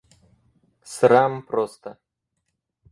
Срам просто!